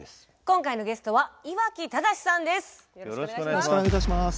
今回のゲストは岩城禎さんです。